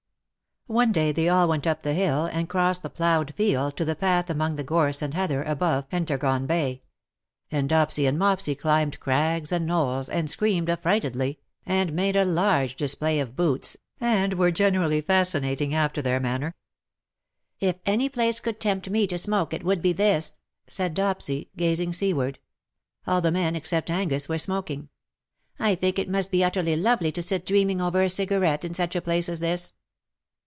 One day they all went up the hill, and crossed the ploughed field to the path among the gorse and heather above Pentargon Bay — and Dopsy and Mopsy climbed crags and knolls, and screamed afi'rightedly, and made a large display of VOL. II. R 042 /^WHO KNOWS NOT CIRCE?" boots^ and were generally fascinating after their manner. " If any place could tempt me to smoke it would be tbis/^ said Dopsy^ gazing seaward. All the men except Angus were smoking. " I think it must be utterly lovely to sit dreaming over a cigarette in such a place as this.